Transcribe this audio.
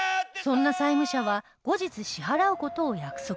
そんな債務者は後日支払う事を約束